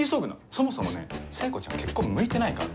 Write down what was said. そもそもね聖子ちゃん結婚向いてないから。